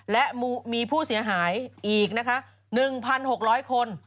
และมีผู้เสียหายอีกนะคะ๑๖๐๐คน